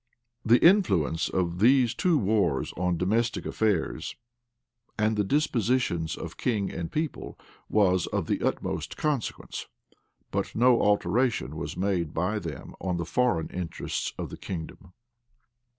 [] The influence of these two wars on domestic affairs, and on the dispositions of king and people, was of the utmost consequence; but no alteration was made by them on the foreign interests of the kingdom.